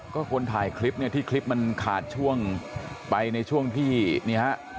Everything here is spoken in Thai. ก็คนถ่ายคลิปเนี่ยที่คลิปมันขาดช่วงไปในช่วงที่นี่ฮะ